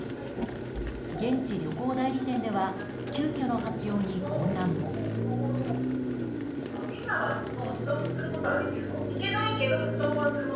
現地旅行代理店では急きょの発表に混乱も。